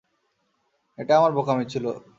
এটা আমার বোকামি ছিলো।